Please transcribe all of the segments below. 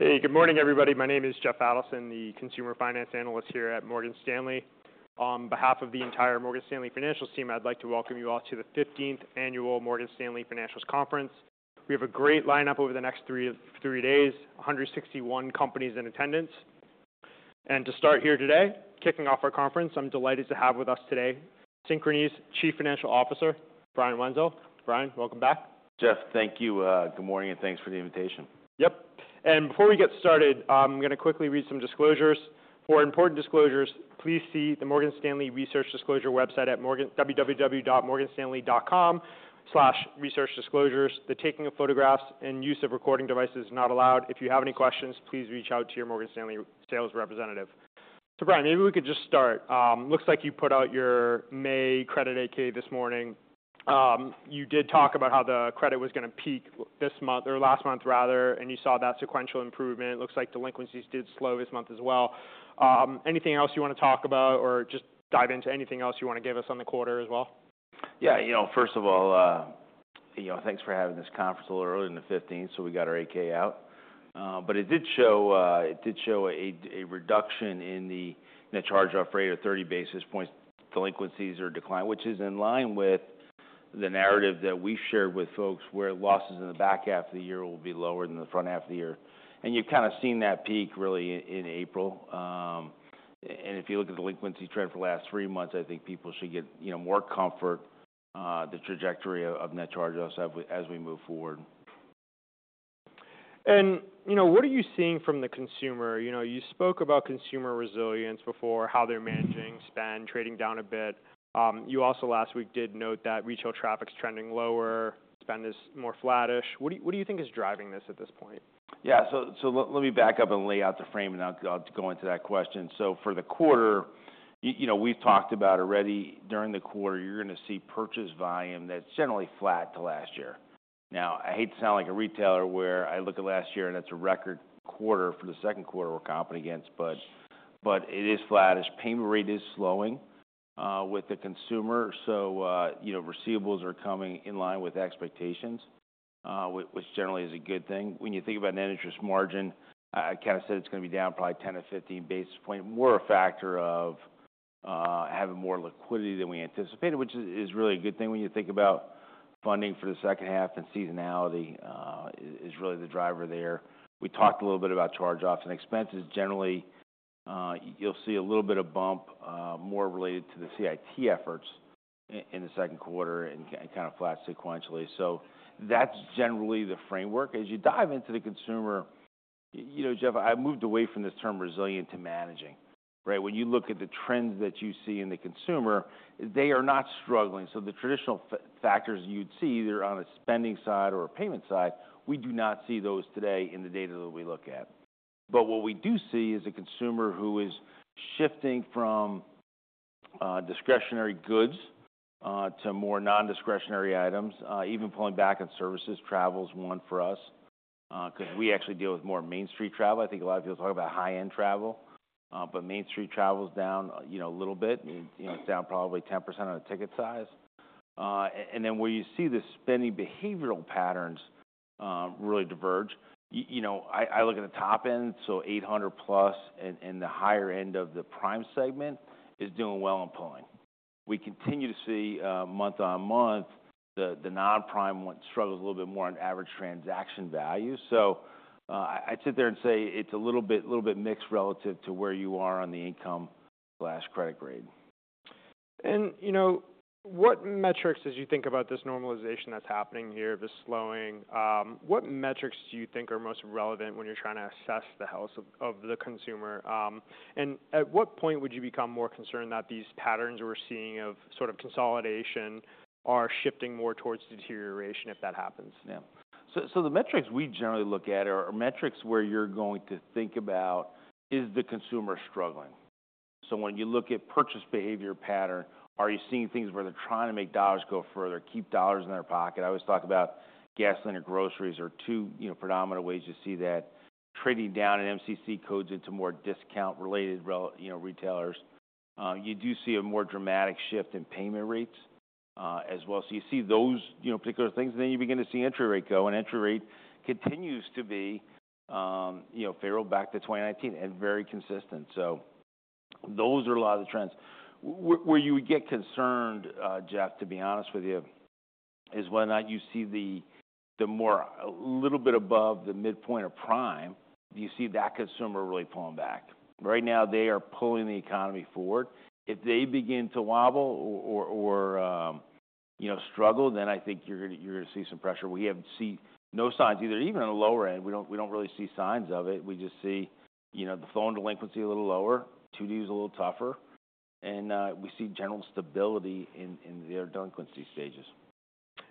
Hey, good morning, everybody. My name is Jeff Adelson, the consumer finance analyst here at Morgan Stanley. On behalf of the entire Morgan Stanley Financials team, I'd like to welcome you all to the 15th Annual Morgan Stanley Financials Conference. We have a great lineup over the next three days, 161 companies in attendance. To start here today, kicking off our conference, I'm delighted to have with us today Synchrony's Chief Financial Officer, Brian Wenzel. Brian, welcome back. Jeff, thank you. Good morning, and thanks for the invitation. Yep, and before we get started, I'm gonna quickly read some disclosures. For important disclosures, please see the Morgan Stanley Research Disclosure website at www.morganstanley.com/researchdisclosures. The taking of photographs and use of recording devices is not allowed. If you have any questions, please reach out to your Morgan Stanley sales representative. So, Brian, maybe we could just start. Looks like you put out your May credit 8-K this morning. You did talk about how the credit was gonna peak this month or last month rather, and you saw that sequential improvement. It looks like delinquencies did slow this month as well. Anything else you wanna talk about, or just dive into anything else you wanna give us on the quarter as well? Yeah, you know, first of all, you know, thanks for having this conference a little earlier in the 15th, so we got our 8-K out. But it did show a reduction in the net charge-off rate of 30 basis points. Delinquencies are declining, which is in line with the narrative that we've shared with folks, where losses in the back half of the year will be lower than the front half of the year. And you've kind of seen that peak really in April. And if you look at delinquency trend for the last three months, I think people should get, you know, more comfort, the trajectory of net charge-offs as we move forward. You know, what are you seeing from the consumer? You know, you spoke about consumer resilience before, how they're managing spend, trading down a bit. You also, last week, did note that retail traffic's trending lower, spend is more flattish. What do you, what do you think is driving this at this point? Yeah. So let me back up and lay out the frame, and I'll go into that question. So for the quarter, you know, we've talked about already, during the quarter, you're gonna see purchase volume that's generally flat to last year. Now, I hate to sound like a retailer, where I look at last year and that's a record quarter for the second quarter we're competing against, but it is flattish. Payment rate is slowing with the consumer. So you know, receivables are coming in line with expectations, which generally is a good thing. When you think about net interest margin, I kind of said it's gonna be down probably 10 or 15 basis points, more a factor of having more liquidity than we anticipated, which is really a good thing when you think about funding for the second half, and seasonality is really the driver there. We talked a little bit about charge-offs and expenses. Generally, you'll see a little bit of bump more related to the CIT efforts in the second quarter and kind of flat sequentially. So that's generally the framework. As you dive into the consumer, you know, Jeff, I moved away from this term resilient to managing, right? When you look at the trends that you see in the consumer, they are not struggling. So the traditional factors you'd see, either on a spending side or a payment side, we do not see those today in the data that we look at. But what we do see is a consumer who is shifting from discretionary goods to more non-discretionary items, even pulling back on services. Travel is one for us, 'cause we actually deal with more Main Street travel. I think a lot of people talk about high-end travel, but Main Street travel is down, you know, a little bit. You know, it's down probably 10% on a ticket size. And then where you see the spending behavioral patterns really diverge, you know, I look at the top end, so 800+ and the higher end of the prime segment is doing well and pulling. We continue to see, month-on-month, the non-prime one struggles a little bit more on average transaction value. So, I'd sit there and say it's a little bit, little bit mixed relative to where you are on the income/credit grade. You know, what metrics as you think about this normalization that's happening here, this slowing, what metrics do you think are most relevant when you're trying to assess the health of, of the consumer? And at what point would you become more concerned that these patterns we're seeing of sort of consolidation are shifting more towards deterioration if that happens? Yeah. So the metrics we generally look at are metrics where you're going to think about: Is the consumer struggling? So when you look at purchase behavior pattern, are you seeing things where they're trying to make dollars go further, keep dollars in their pocket? I always talk about gasoline or groceries are two, you know, predominant ways you see that. Trading down in MCC codes into more discount-related retailers. You do see a more dramatic shift in payment rates, as well. So you see those, you know, particular things, and then you begin to see entry rate go, and entry rate continues to be, you know, parallel back to 2019 and very consistent. So those are a lot of the trends. Where you would get concerned, Jeff, to be honest with you, is whether or not you see the more a little bit above the midpoint of prime, do you see that consumer really pulling back? Right now, they are pulling the economy forward. If they begin to wobble or, you know, struggle, then I think you're gonna, you're gonna see some pressure. We have seen no signs, either even on the lower end, we don't, we don't really see signs of it. We just see, you know, the phone delinquency a little lower, 2Ds a little tougher, and we see general stability in their delinquency stages.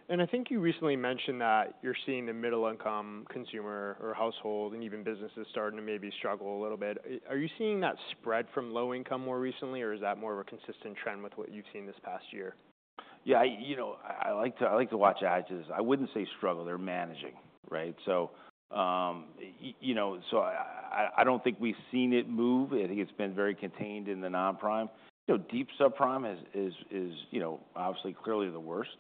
I think you recently mentioned that you're seeing the middle-income consumer or household and even businesses starting to maybe struggle a little bit. Are you seeing that spread from low income more recently, or is that more of a consistent trend with what you've seen this past year? Yeah, you know, I like to watch edges. I wouldn't say struggle, they're managing, right? So, you know, so I don't think we've seen it move. I think it's been very contained in the non-prime. You know, deep subprime is obviously clearly the worst,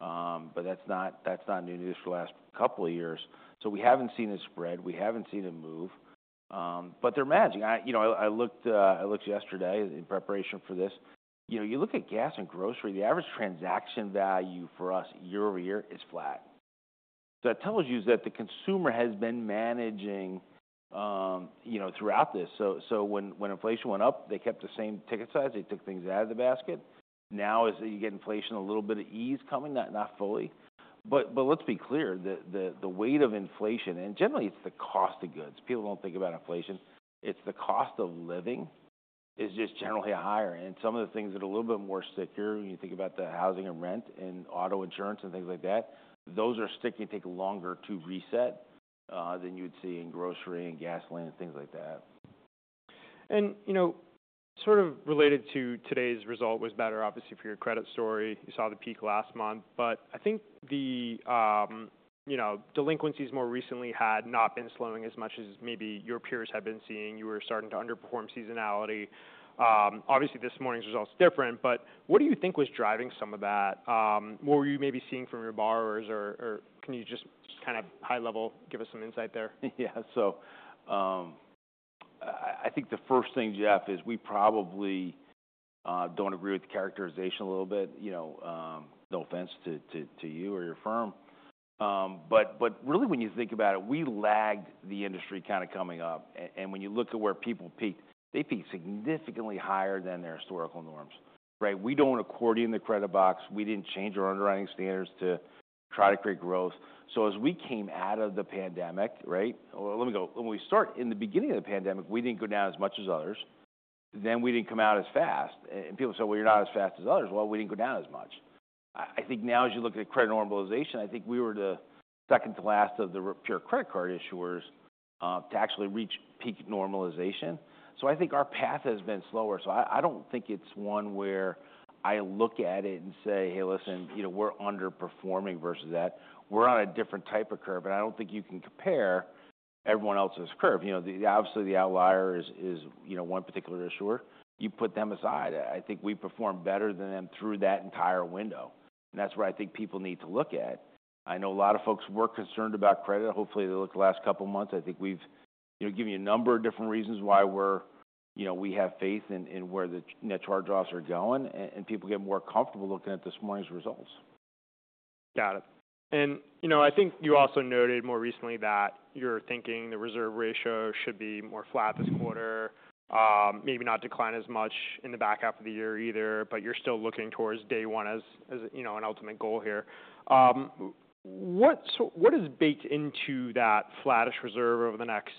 but that's not new news for the last couple of years. So we haven't seen it spread, we haven't seen it move, but they're managing. You know, I looked yesterday in preparation for this. You know, you look at gas and grocery, the average transaction value for us year-over-year is flat. So that tells you is that the consumer has been managing, you know, throughout this. So when inflation went up, they kept the same ticket size, they took things out of the basket. Now, as you get inflation, a little bit of ease coming, not fully. But let's be clear, the weight of inflation, and generally it's the cost of goods. People don't think about inflation. It's the cost of living is just generally higher, and some of the things that are a little bit more stickier when you think about the housing and rent and auto insurance and things like that, those are sticky and take longer to reset than you'd see in grocery and gasoline and things like that. You know, sort of related to today's result was better, obviously, for your credit story. You saw the peak last month, but I think the, you know, delinquencies more recently had not been slowing as much as maybe your peers had been seeing. You were starting to underperform seasonality. Obviously, this morning's result is different, but what do you think was driving some of that? What were you maybe seeing from your borrowers, or can you just kind of high level, give us some insight there? Yeah. So, I think the first thing, Jeff, is we probably don't agree with the characterization a little bit, you know, no offense to you or your firm. But really, when you think about it, we lagged the industry kinda coming up. And when you look at where people peaked, they peaked significantly higher than their historical norms, right? We didn't want to accordion the credit box. We didn't change our underwriting standards to try to create growth. So as we came out of the pandemic, right, let me go. When we start in the beginning of the pandemic, we didn't go down as much as others, then we didn't come out as fast. And people said, "Well, you're not as fast as others." Well, we didn't go down as much. I think now, as you look at credit normalization, I think we were the second to last of the pure credit card issuers to actually reach peak normalization. So I think our path has been slower. So I don't think it's one where I look at it and say, "Hey, listen, you know, we're underperforming versus that." We're on a different type of curve, and I don't think you can compare everyone else's curve. You know, obviously, the outlier is, you know, one particular issuer. You put them aside, I think we performed better than them through that entire window, and that's where I think people need to look at. I know a lot of folks were concerned about credit. Hopefully, they look the last couple of months, I think we've, you know, given you a number of different reasons why we're you know, we have faith in where the net charge-offs are going, and people get more comfortable looking at this morning's results. Got it. And, you know, I think you also noted more recently that you're thinking the reserve ratio should be more flat this quarter, maybe not decline as much in the back half of the year either, but you're still looking towards day one as you know, an ultimate goal here. So what is baked into that flattish reserve over the next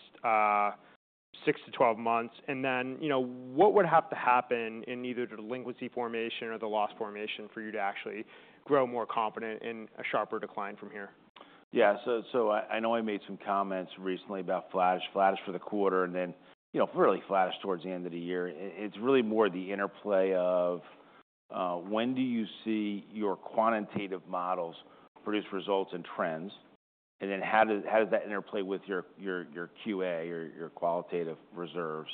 six to 12 months? And then, you know, what would have to happen in either the delinquency formation or the loss formation for you to actually grow more confident in a sharper decline from here? Yeah. So, I know I made some comments recently about flattish, flattish for the quarter, and then, you know, really flattish towards the end of the year. It's really more the interplay of when do you see your quantitative models produce results and trends? And then how does that interplay with your QA, your qualitative reserves?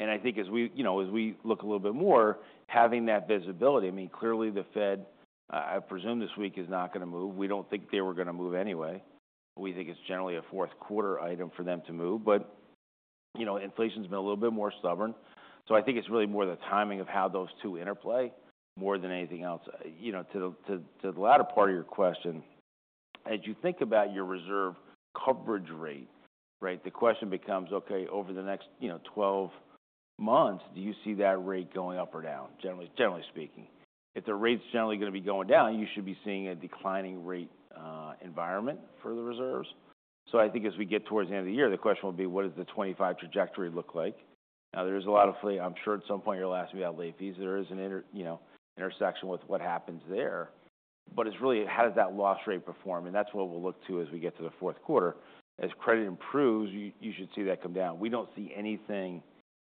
And I think as we, you know, as we look a little bit more, having that visibility, I mean, clearly the Fed, I presume this week is not gonna move. We don't think they were gonna move anyway. We think it's generally a fourth quarter item for them to move, but, you know, inflation's been a little bit more stubborn. So I think it's really more the timing of how those two interplay, more than anything else. You know, to the latter part of your question, as you think about your reserve coverage rate, right? The question becomes, okay, over the next 12 months, do you see that rate going up or down, generally speaking? If the rate's generally gonna be going down, you should be seeing a declining rate environment for the reserves. So I think as we get towards the end of the year, the question will be: What does the 2025 trajectory look like? Now, there's a lot. I'm sure at some point you'll ask me about late fees. There is an intersection with what happens there, but it's really, how does that loss rate perform? And that's what we'll look to as we get to the fourth quarter. As credit improves, you should see that come down. We don't see anything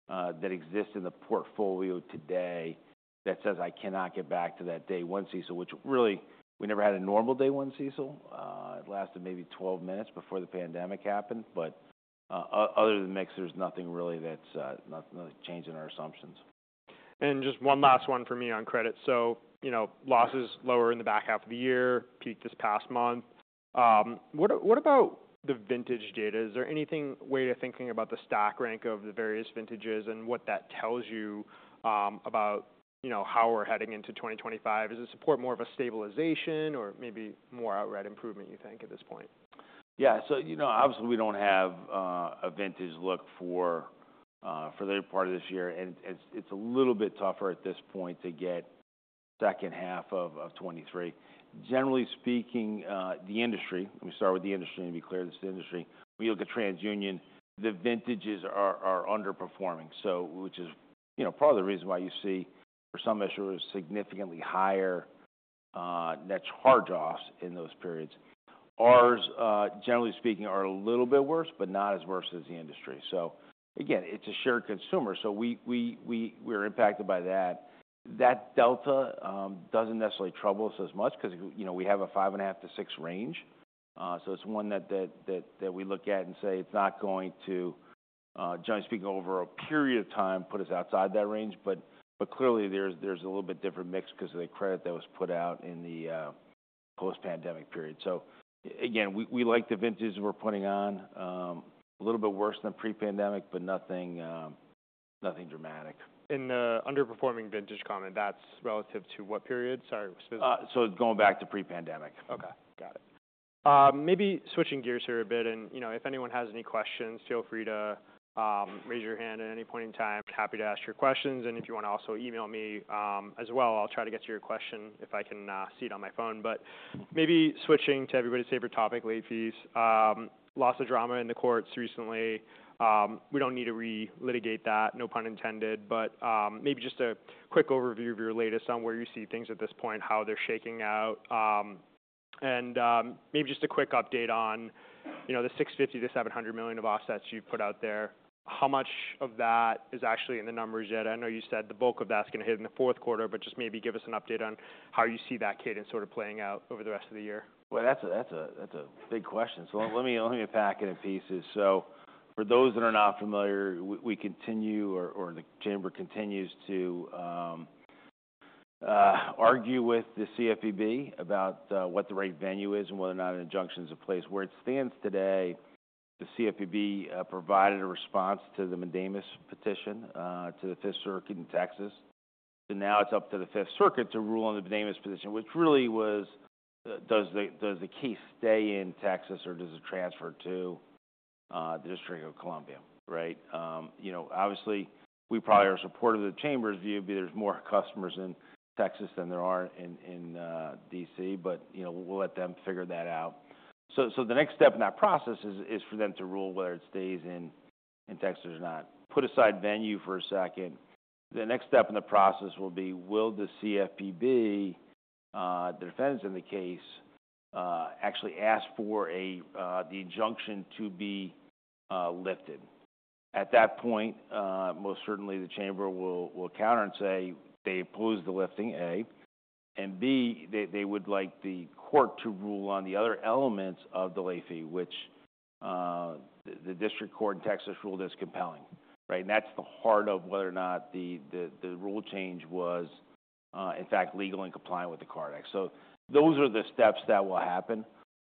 that exists in the portfolio today that says, I cannot get back to that day one CECL, which really we never had a normal day one CECL. It lasted maybe 12 minutes before the pandemic happened, but other than the mix, there's nothing really that's nothing changing our assumptions. And just one last one for me on credit. So, you know, losses lower in the back half of the year, peaked this past month. What about the vintage data? Is there anything, way of thinking about the stock rank of the various vintages and what that tells you, about, you know, how we're heading into 2025? Is it support more of a stabilization or maybe more outright improvement, you think, at this point? Yeah. So, you know, obviously, we don't have a vintage look for the part of this year, and it's a little bit tougher at this point to get second half of 2023. Generally speaking, the industry, let me start with the industry, and to be clear, this is the industry. We look at TransUnion, the vintages are underperforming. So which is, you know, part of the reason why you see, for some issuers, significantly higher net charge-offs in those periods. Ours, generally speaking, are a little bit worse, but not as worse as the industry. So... Again, it's a shared consumer, so we we're impacted by that. That delta doesn't necessarily trouble us as much 'cause, you know, we have a 5.5-6 range. So it's one that we look at and say, it's not going to, generally speaking, over a period of time, put us outside that range. But clearly there's a little bit different mix because of the credit that was put out in the post-pandemic period. So again, we like the vintages we're putting on, a little bit worse than pre-pandemic, but nothing dramatic. In the underperforming vintage comment, that's relative to what period? Sorry. So going back to pre-pandemic. Okay, got it. Maybe switching gears here a bit, and, you know, if anyone has any questions, feel free to raise your hand at any point in time. Happy to ask your questions, and if you want to also email me, as well, I'll try to get to your question if I can see it on my phone. But maybe switching to everybody's favorite topic, late fees. Lots of drama in the courts recently. We don't need to re-litigate that, no pun intended, but maybe just a quick overview of your latest on where you see things at this point, how they're shaking out. And maybe just a quick update on, you know, the $650 million-$700 million of offsets you've put out there. How much of that is actually in the numbers yet? I know you said the bulk of that's going to hit in the fourth quarter, but just maybe give us an update on how you see that cadence sort of playing out over the rest of the year? Well, that's a big question. So let me attack it in pieces. So for those that are not familiar, the chamber continues to argue with the CFPB about what the right venue is and whether or not an injunction is in place. Where it stands today, the CFPB provided a response to the mandamus petition to the Fifth Circuit in Texas, and now it's up to the Fifth Circuit to rule on the mandamus petition, which really was, does the case stay in Texas or does it transfer to the District of Columbia? Right. You know, obviously, we probably are supportive of the chamber's view, but there's more customers in Texas than there are in DC, but you know, we'll let them figure that out. So, the next step in that process is for them to rule whether it stays in Texas or not. Put aside venue for a second. The next step in the process will be will the CFPB, the defendants in the case, actually ask for the injunction to be lifted? At that point, most certainly the chamber will counter and say they oppose the lifting, A, and B, they would like the court to rule on the other elements of the late fee, which the district court in Texas ruled as compelling, right? And that's the heart of whether or not the rule change was in fact legal and compliant with the CARD Act. So those are the steps that will happen.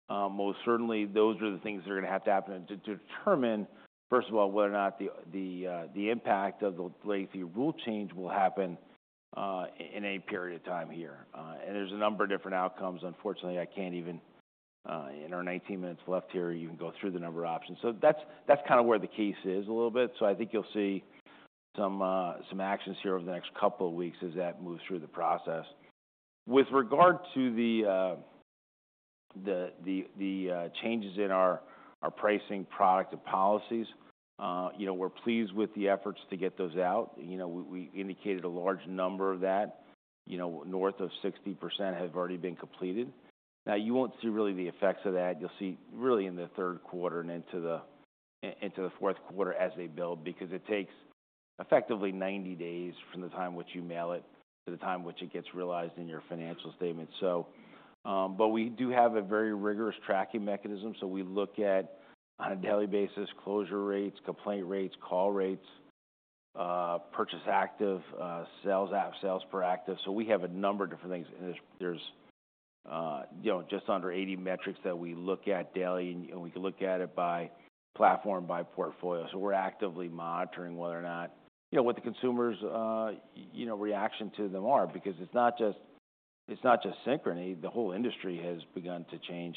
Most certainly, those are the things that are going to have to happen to determine, first of all, whether or not the impact of the late fee rule change will happen in any period of time here. And there's a number of different outcomes. Unfortunately, I can't even in our 19 minutes left here even go through the number of options. So that's kind of where the case is a little bit. So I think you'll see some actions here over the next couple of weeks as that moves through the process. With regard to the changes in our pricing product and policies, you know, we're pleased with the efforts to get those out. You know, we indicated a large number of that, you know, north of 60% has already been completed. Now, you won't see really the effects of that. You'll see really in the third quarter and into the fourth quarter as they build, because it takes effectively 90 days from the time which you mail it to the time which it gets realized in your financial statement. So, but we do have a very rigorous tracking mechanism, so we look at, on a daily basis, closure rates, complaint rates, call rates, purchase active, sales app, sales per active. So we have a number of different things. And there's you know, just under 80 metrics that we look at daily, and we can look at it by platform, by portfolio. So we're actively monitoring whether or not, you know, what the consumer's, you know, reaction to them are, because it's not just Synchrony. The whole industry has begun to change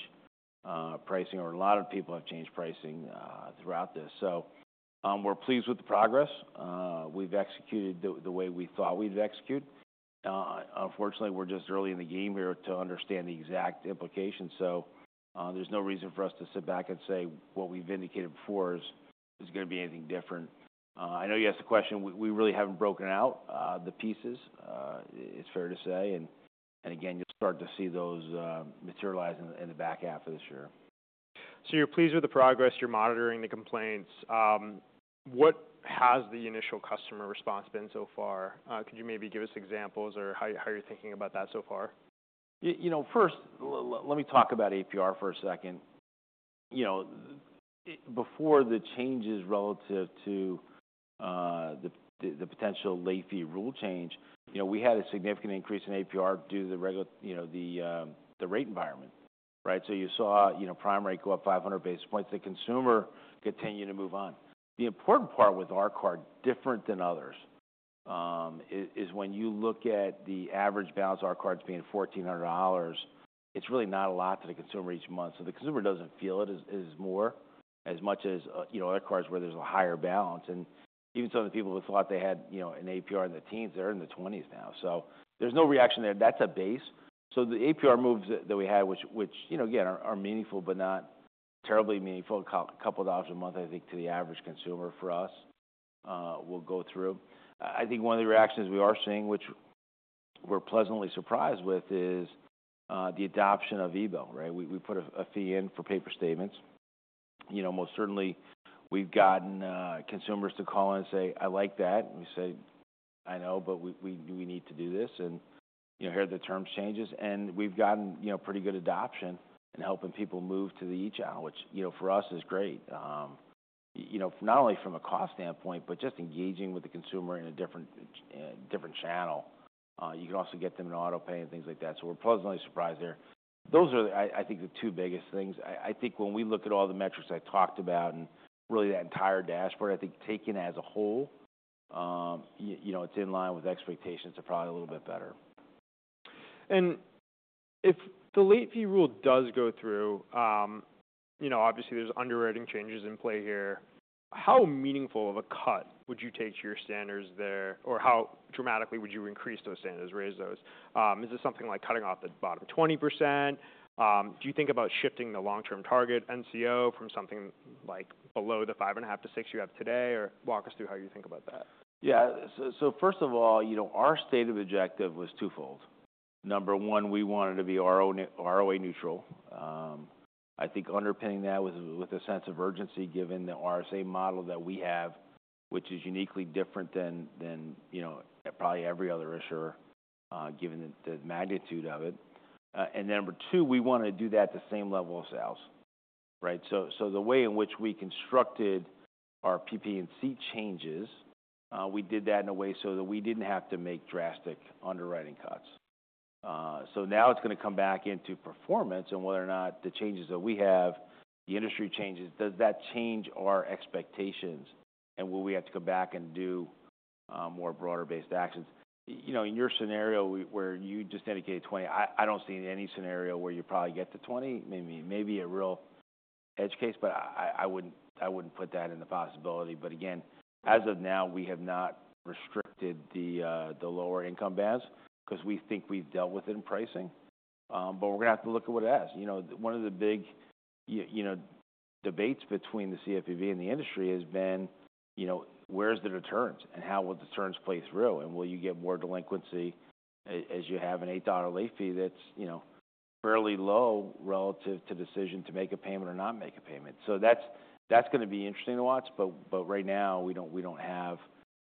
pricing, or a lot of people have changed pricing throughout this. So we're pleased with the progress. We've executed the way we thought we'd execute. Unfortunately, we're just early in the game here to understand the exact implications, so there's no reason for us to sit back and say what we've indicated before is going to be anything different. I know you asked the question, we really haven't broken out the pieces, it's fair to say, and again, you'll start to see those materialize in the back half of this year. So you're pleased with the progress, you're monitoring the complaints. What has the initial customer response been so far? Could you maybe give us examples or how you're thinking about that so far? You know, first, let me talk about APR for a second. You know, before the changes relative to the potential late fee rule change, you know, we had a significant increase in APR due to the regulatory rate environment, right? So you saw, you know, prime rate go up 500 basis points. The consumer continued to move on. The important part with our card, different than others, is when you look at the average balance of our cards being $1,400, it's really not a lot to the consumer each month. So the consumer doesn't feel it as much as, you know, other cards where there's a higher balance. And even some of the people who thought they had, you know, an APR in the teens, they're in the twenties now. So there's no reaction there. That's a base. So the APR moves that we had, which you know again are meaningful, but not terribly meaningful. A couple of dollars a month, I think, to the average consumer for us will go through. I think one of the reactions we are seeing, which we're pleasantly surprised with is the adoption of e-bill, right? We put a fee in for paper statements. You know, most certainly we've gotten consumers to call in and say, "I like that." We say, "I know, but we need to do this, and you know, here are the terms changes." And we've gotten you know pretty good adoption in helping people move to the eChat, which you know for us is great. You know, not only from a cost standpoint, but just engaging with the consumer in a different channel. You can also get them in auto pay and things like that. So we're pleasantly surprised there. Those are the, I think, the two biggest things. I think when we look at all the metrics I talked about and really that entire dashboard, I think taken as a whole, you know, it's in line with expectations or probably a little bit better. If the late fee rule does go through, you know, obviously, there's underwriting changes in play here. How meaningful of a cut would you take to your standards there, or how dramatically would you increase those standards, raise those? Is this something like cutting off the bottom 20%? Do you think about shifting the long-term target NCO from something like below the 5.5%-6% you have today? Or walk us through how you think about that. Yeah. So first of all, you know, our statement of objective was twofold. Number one, we wanted to be ROA neutral. I think underpinning that with a sense of urgency, given the RSA model that we have, which is uniquely different than you know, probably every other issuer, given the magnitude of it. And number two, we want to do that at the same level of sales, right? So the way in which we constructed our PP&C changes, we did that in a way so that we didn't have to make drastic underwriting cuts. So now it's gonna come back into performance and whether or not the changes that we have, the industry changes, does that change our expectations, and will we have to go back and do more broad-based actions? You know, in your scenario, where you just indicated 20, I don't see any scenario where you probably get to 20, maybe. Maybe a real edge case, but I wouldn't, I wouldn't put that in the possibility. But again, as of now, we have not restricted the, the lower income bands because we think we've dealt with it in pricing. But we're gonna have to look at what it asks. You know, one of the big, you know, debates between the CFPB and the industry has been, you know, where's the returns and how will the returns play through, and will you get more delinquency as you have an $8 late fee that's, you know, fairly low relative to decision to make a payment or not make a payment? So that's gonna be interesting to watch, but right now, we don't have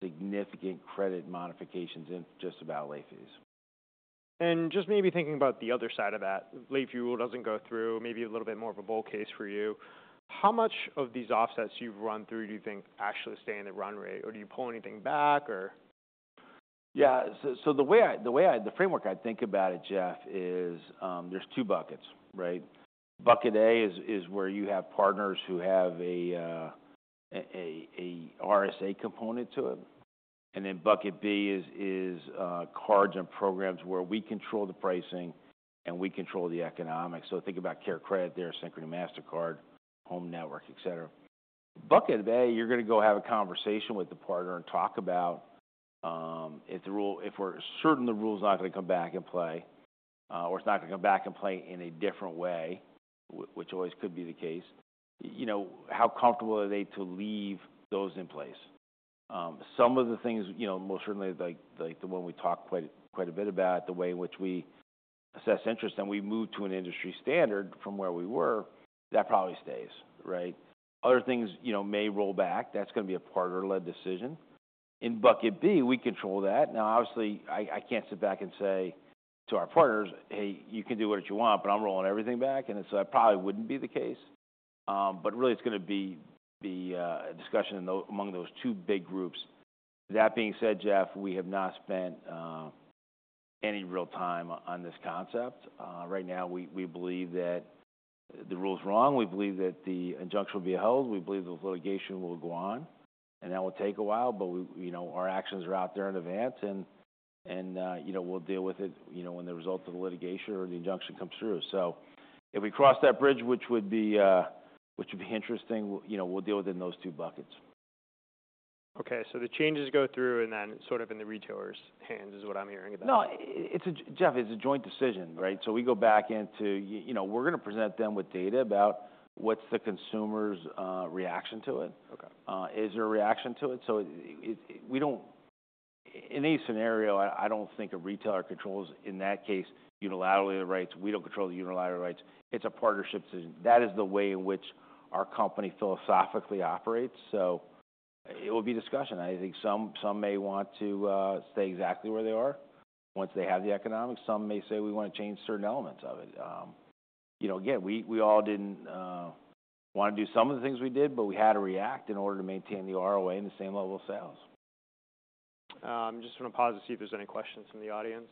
significant credit modifications in just about late fees. Just maybe thinking about the other side of that, late fee rule doesn't go through, maybe a little bit more of a bull case for you. How much of these offsets you've run through do you think actually stay in the run rate, or do you pull anything back or? Yeah. So the way I, the framework I think about it, Jeff, is, there's two buckets, right? Bucket A is where you have partners who have a RSA component to it, and then bucket B is cards and programs where we control the pricing and we control the economics. So think about CareCredit there, Synchrony Mastercard, Synchrony HOME, et cetera. Bucket A, you're gonna go have a conversation with the partner and talk about if the rule, if we're certain the rule is not gonna come back in play, or it's not gonna come back in play in a different way, which always could be the case, you know, how comfortable are they to leave those in place? Some of the things, you know, most certainly like, like the one we talked quite, quite a bit about, the way in which we assess interest, and we moved to an industry standard from where we were, that probably stays, right? Other things, you know, may roll back. That's gonna be a partner-led decision. In bucket B, we control that. Now, obviously, I can't sit back and say to our partners, "Hey, you can do whatever you want, but I'm rolling everything back." And so that probably wouldn't be the case. But really it's gonna be the discussion among those two big groups. That being said, Jeff, we have not spent any real time on this concept. Right now, we believe that the rule is wrong. We believe that the injunction will be held. We believe the litigation will go on, and that will take a while, but we, you know, our actions are out there in advance and, you know, we'll deal with it, you know, when the result of the litigation or the injunction comes through. So if we cross that bridge, which would be interesting, you know, we'll deal with it in those two buckets. Okay, so the changes go through and then sort of in the retailer's hands is what I'm hearing about? No, it's a, Jeff, it's a joint decision, right? So we go back into, you know, we're gonna present them with data about what's the consumer's reaction to it. Okay. Is there a reaction to it? So we don't in any scenario, I don't think a retailer controls, in that case, unilaterally the rights. We don't control the unilateral rights. It's a partnership decision. That is the way in which our company philosophically operates, so it will be discussion. I think some may want to stay exactly where they are once they have the economics. Some may say, "We want to change certain elements of it." You know, again, we all didn't want to do some of the things we did, but we had to react in order to maintain the ROA and the same level of sales. I'm just gonna pause to see if there's any questions from the audience.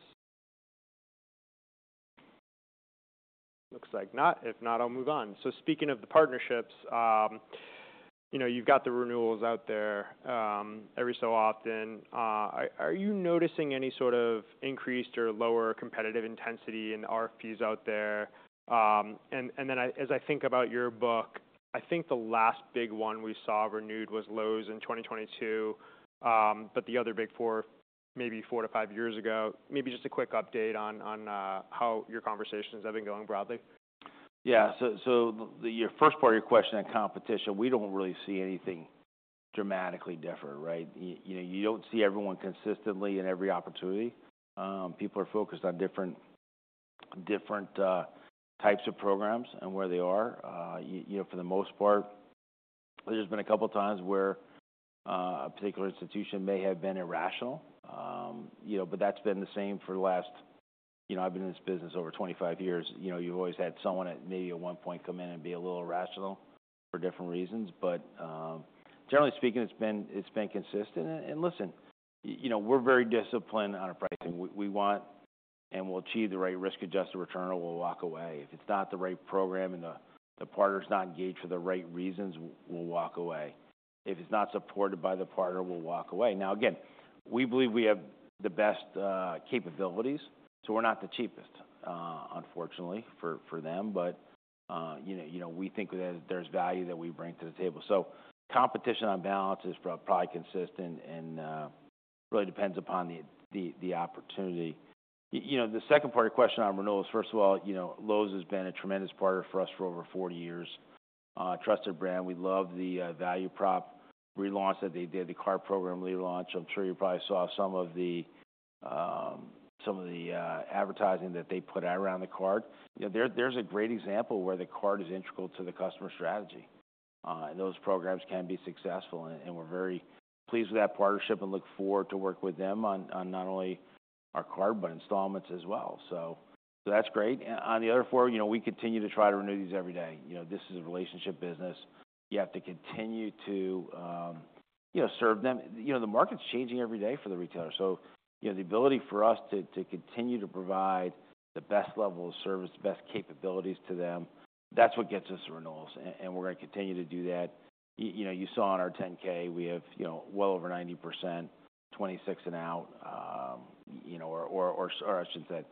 Looks like not. If not, I'll move on. So speaking of the partnerships, you know, you've got the renewals out there, every so often. Are you noticing any sort of increased or lower competitive intensity in RFPs out there? And then as I think about your book, I think the last big one we saw renewed was Lowe's in 2022, but the other big four, maybe five to five years ago. Maybe just a quick update on how your conversations have been going broadly. Yeah. So, the first part of your question on competition, we don't really see anything dramatically different, right? You know, you don't see everyone consistently in every opportunity. People are focused on different types of programs and where they are. You know, for the most part, there's been a couple of times where a particular institution may have been irrational. You know, but that's been the same for the last- you know, I've been in this business over 25 years. You know, you've always had someone at, maybe at one point, come in and be a little irrational for different reasons. But, generally speaking, it's been consistent. And, listen, you know, we're very disciplined on our pricing. We want, and we'll achieve the right risk-adjusted return, or we'll walk away. If it's not the right program and the partner's not engaged for the right reasons, we'll walk away. If it's not supported by the partner, we'll walk away. Now, again, we believe we have the best capabilities, so we're not the cheapest, unfortunately, for them. But, you know, we think that there's value that we bring to the table. So competition on balance is probably consistent and really depends upon the opportunity. You know, the second part of your question on renewals. First of all, you know, Lowe's has been a tremendous partner for us for over 40 years. Trusted brand. We love the value prop relaunch that they did, the card program relaunch. I'm sure you probably saw some of the advertising that they put out around the card. You know, there's a great example where the card is integral to the customer strategy, and those programs can be successful. And we're very pleased with that partnership and look forward to work with them on not only our card, but installments as well. So that's great. And on the other four, you know, we continue to try to renew these every day. You know, this is a relationship business. You have to continue to, you know, serve them. You know, the market's changing every day for the retailer. So, you know, the ability for us to continue to provide the best level of service, the best capabilities to them, that's what gets us the renewals, and we're gonna continue to do that. You know, you saw in our 10-K, we have, you know, well over 90%, 2026 and out, I should say,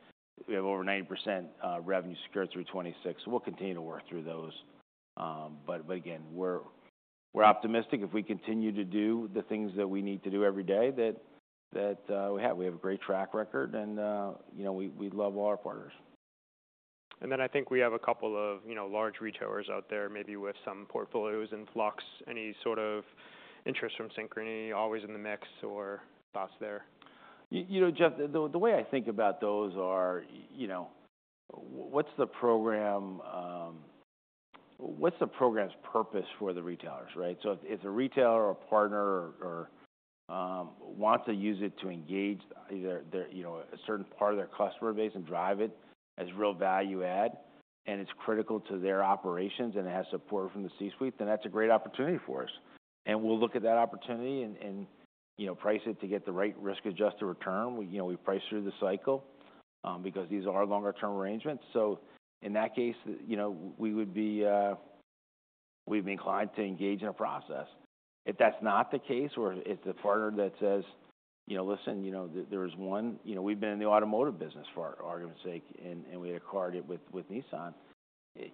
we have over 90%, revenue secured through 2026. So we'll continue to work through those. But again, we're, we're optimistic if we continue to do the things that we need to do every day, that we have a great track record, and, you know, we, we love all our partners. And then I think we have a couple of, you know, large retailers out there, maybe with some portfolios in flux. Any sort of interest from Synchrony, always in the mix or thoughts there? You know, Jeff, the way I think about those are, you know, what's the program, what's the program's purpose for the retailers, right? So if a retailer or partner or wants to use it to engage either their, you know, a certain part of their customer base and drive it as real value add, and it's critical to their operations and it has support from the C-suite, then that's a great opportunity for us. And we'll look at that opportunity and, you know, price it to get the right risk-adjusted return. You know, we price through the cycle, because these are longer-term arrangements. So in that case, you know, we would be, we'd be inclined to engage in a process. If that's not the case, or if the partner that says, you know, listen, you know, there is one, You know, we've been in the automotive business, for argument's sake, and we had a card with Nissan.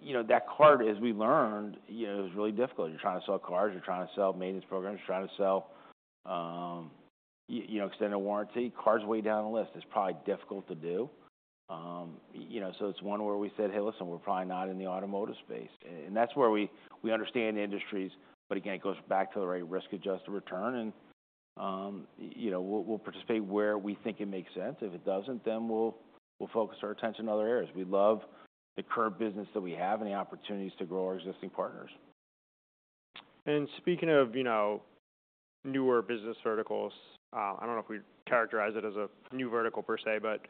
You know, that card, as we learned, you know, it was really difficult. You're trying to sell cars, you're trying to sell maintenance programs, you're trying to sell, you know, extended warranty. Car's way down the list. It's probably difficult to do. You know, so it's one where we said, "Hey, listen, we're probably not in the automotive space." And that's where we understand the industries, but again, it goes back to the right risk-adjusted return, and you know, we'll participate where we think it makes sense. If it doesn't, then we'll focus our attention in other areas. We love the current business that we have and the opportunities to grow our existing partners. And speaking of, you know, newer business verticals, I don't know if we'd characterize it as a new vertical per se, but,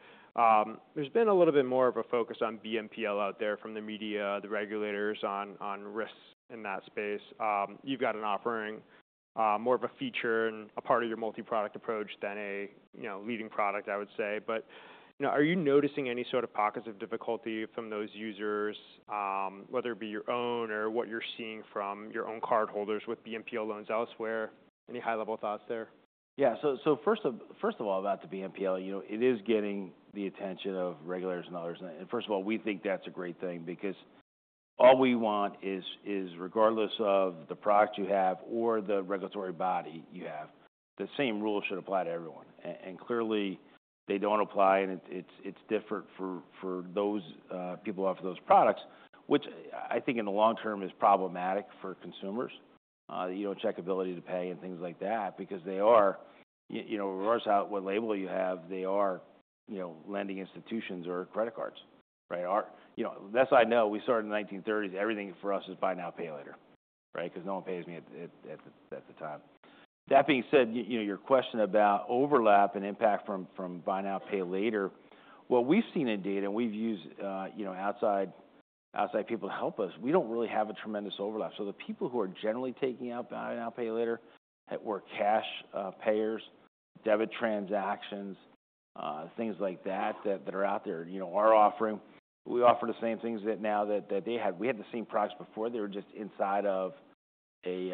there's been a little bit more of a focus on BNPL out there from the media, the regulators on, on risks in that space. You've got an offering, more of a feature and a part of your multi-product approach than a, you know, leading product, I would say. But, you know, are you noticing any sort of pockets of difficulty from those users, whether it be your own or what you're seeing from your own cardholders with BNPL loans elsewhere? Any high-level thoughts there? Yeah. So first of all, about the BNPL, you know, it is getting the attention of regulators and others. And first of all, we think that's a great thing because all we want is regardless of the product you have or the regulatory body you have, the same rules should apply to everyone. And clearly, they don't apply, and it's different for those people who offer those products, which I think in the long term is problematic for consumers. You know, the ability to pay and things like that, because they are. You know, regardless of what label you have, they are, you know, lending institutions or credit cards, right? Or, you know, best I know, we started in the 1930s. Everything for us is buy now, pay later, right? Because no one pays me at the time. That being said, you know, your question about overlap and impact from buy now, pay later. What we've seen in data, and we've used you know, outside people to help us, we don't really have a tremendous overlap. So the people who are generally taking out buy now, pay later that were cash payers, debit transactions, things like that that are out there, you know, are offering. We offer the same things that now that they have. We had the same products before. They were just inside of a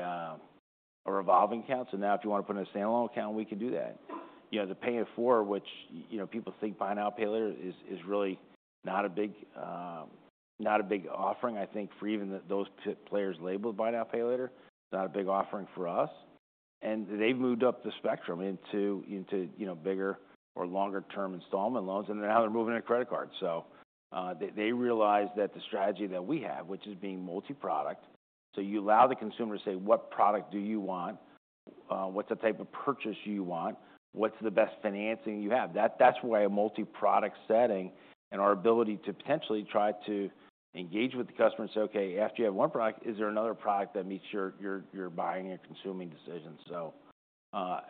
revolving account. So now, if you want to put in a standalone account, we can do that. You know, the Pay in four, which, you know, people think buy now, pay later, is really not a big, not a big offering. I think for even those players labeled buy now, pay later, it's not a big offering for us, and they've moved up the spectrum into, you know, bigger or longer term installment loans, and now they're moving into credit cards. So, they realized that the strategy that we have, which is being multi-product, so you allow the consumer to say: What product do you want? What's the type of purchase you want? What's the best financing you have? That's why a multi-product setting and our ability to potentially try to engage with the customer and say, "Okay, after you have one product, is there another product that meets your buying and consuming decisions?" So,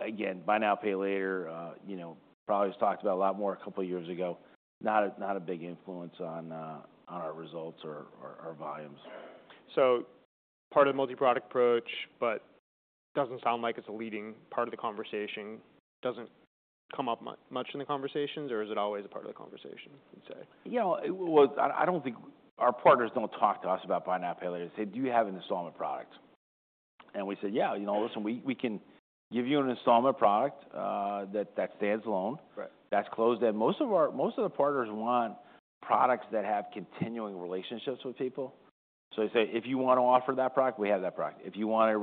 again, buy now, pay later, you know, probably talked about a lot more a couple of years ago, not a big influence on our results or our volumes. So part of the multi-product approach, but doesn't sound like it's a leading part of the conversation. Doesn't come up much in the conversations, or is it always a part of the conversation, you'd say? You know, well, our partners don't talk to us about buy now, pay later. They say, "Do you have an installment product?" And we say, "Yeah, you know, listen, we can give you an installment product that stands alone. Right. That's closed," and most of the partners want products that have continuing relationships with people. So they say, "If you want to offer that product, we have that product. If you want a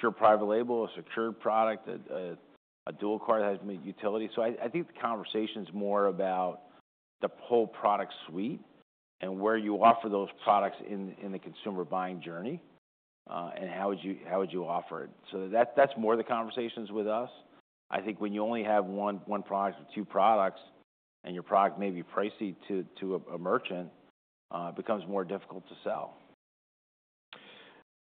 pure private label, a secured product, a dual card that has utility" So I think the conversation's more about the whole product suite and where you offer those products in the consumer buying journey, and how would you offer it? So that's more the conversations with us. I think when you only have one product or two products, and your product may be pricey to a merchant, it becomes more difficult to sell.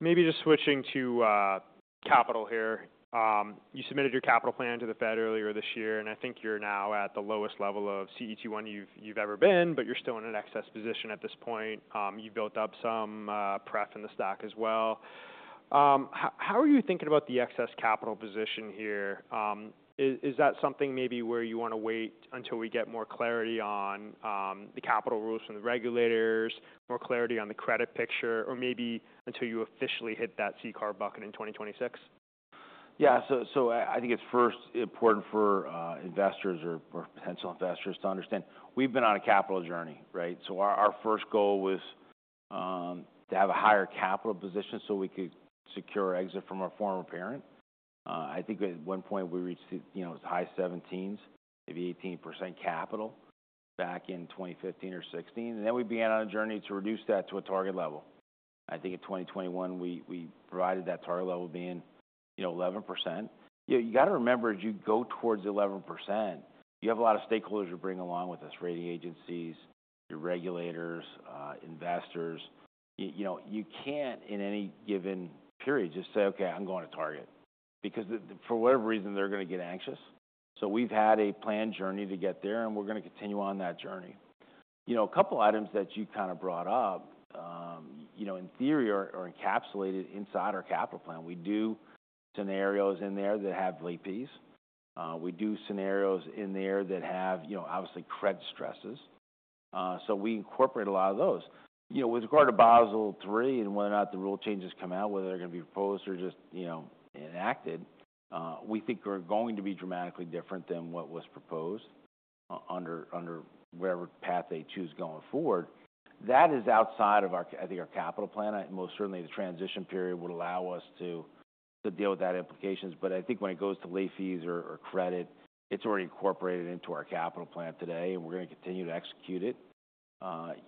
Maybe just switching to capital here. You submitted your capital plan to the Fed earlier this year, and I think you're now at the lowest level of CET1 you've ever been, but you're still in an excess position at this point. You've built up some prep in the stock as well. How are you thinking about the excess capital position here? Is that something maybe where you want to wait until we get more clarity on the capital rules from the regulators, more clarity on the credit picture, or maybe until you officially hit that CCAR bucket in 2026? Yeah. So I think it's first important for investors or potential investors to understand we've been on a capital journey, right? So our first goal was to have a higher capital position so we could secure our exit from our former parent. I think at one point we reached, you know, as high 17s, maybe 18% capital back in 2015 or 2016, and then we began on a journey to reduce that to a target level. I think in 2021, we provided that target level being, you know, 11%. You know, you got to remember, as you go towards 11%, you have a lot of stakeholders to bring along with us, rating agencies, your regulators, investors. You know, you can't, in any given period, just say, "Okay, I'm going to target," because for whatever reason, they're gonna get anxious. So we've had a planned journey to get there, and we're gonna continue on that journey. You know, a couple of items that you kind of brought up, you know, in theory, are encapsulated inside our capital plan. We do scenarios in there that have late fees. We do scenarios in there that have, you know, obviously, credit stresses. So we incorporate a lot of those. You know, with regard to Basel III and whether or not the rule changes come out, whether they're gonna be proposed or just, you know, enacted, we think we're going to be dramatically different than what was proposed under whatever path they choose going forward. That is outside of our, I think, our capital plan. Most certainly, the transition period would allow us to deal with that implications. But I think when it goes to late fees or credit, it's already incorporated into our capital plan today, and we're gonna continue to execute it,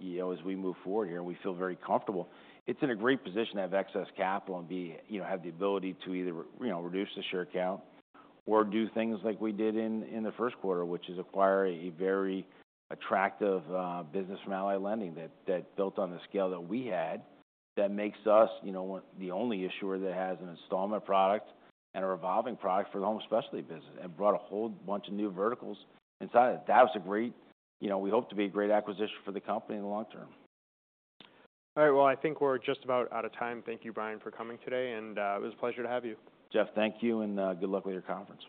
you know, as we move forward here, and we feel very comfortable. It's in a great position to have excess capital and be... You know, have the ability to either you know, reduce the share count or do things like we did in the first quarter, which is acquire a very attractive business from Ally Lending that built on the scale that we had, that makes us, you know, the only issuer that has an installment product and a revolving product for the home specialty business, and brought a whole bunch of new verticals inside it. That was a you know, we hope to be a great acquisition for the company in the long term. All right. Well, I think we're just about out of time. Thank you, Brian, for coming today, and it was a pleasure to have you. Jeff, thank you, and good luck with your conference.